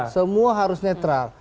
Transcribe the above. semua harus netral